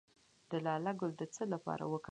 د لاله ګل د څه لپاره وکاروم؟